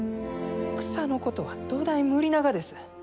草のことはどだい無理ながです。